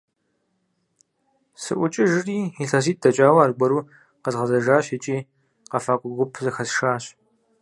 СыӀукӀыжри, илъэситӀ дэкӀауэ аргуэру къэзгъэзэжащ икӀи къэфакӀуэ гуп зэхэсшащ.